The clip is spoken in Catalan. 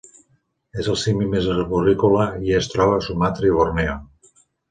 És el simi més arborícola i es troba a Sumatra i Borneo.